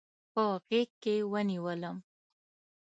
په غېږ کې ونیولم.